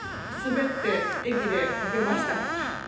滑って駅でこけました。